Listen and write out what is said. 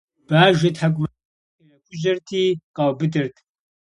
Бажэ, тхьэкӀумэкӀыхь ирахужьэрти, къаубыдырт.